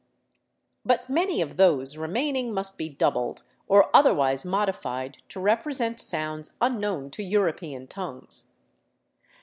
But many of those remaining must be doubled or otherwise modified to represent sounds unknown to European tongues.